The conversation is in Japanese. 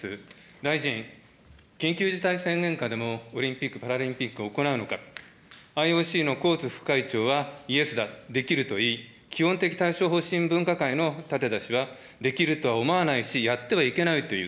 大臣、緊急事態宣言下でもオリンピック・パラリンピックを行うのか、ＩＯＣのコーツ副会長はイエスだ、できると言い、基本的対処方針分科会の舘田氏はできるとは思わないし、やってはいけないと言う。